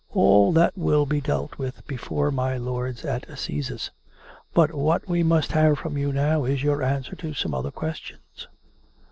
All that will be dealt with before my lords at the Assizes. But what we must have from you now is your answer to some other questions."